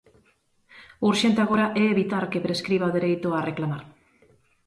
O urxente agora é evitar que prescriba o dereito a reclamar.